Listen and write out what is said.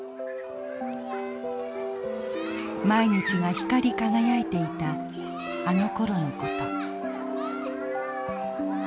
毎日が光り輝いていたあのころのこと。